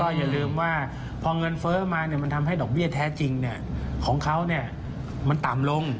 แล้วก็อย่าลืมว่าพอเงินเฟ้อมาเนี่ยมันทำให้ดอกเบี้ยแท้จริงเนี่ยของเขาเนี่ยมันต่ำลง